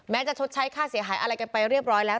จะชดใช้ค่าเสียหายอะไรกันไปเรียบร้อยแล้ว